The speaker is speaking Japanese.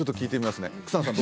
草野さん